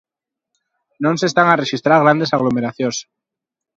Non se están a rexistrar grandes aglomeracións.